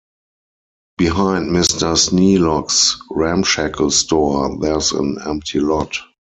Behind Mr. Sneelock's ramshackle store, there's an empty lot.